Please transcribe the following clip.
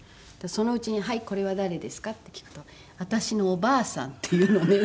そのうちに「はいこれは誰ですか？」って聞くと「私のおばあさん」って言うのね。